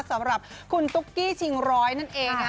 สำหรับคุณตุ๊กกี้ชิงร้อยนั่นเองนะ